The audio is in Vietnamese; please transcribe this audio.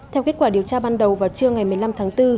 theo kết quả điều tra ban đầu vào trưa ngày một mươi năm tháng bốn